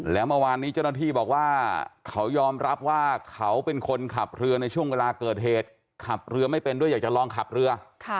แล้วเมื่อวานนี้เจ้าหน้าที่บอกว่าเขายอมรับว่าเขาเป็นคนขับเรือในช่วงเวลาเกิดเหตุขับเรือไม่เป็นด้วยอยากจะลองขับเรือ